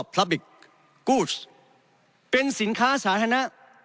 เป็นสินค้าสาธารณะ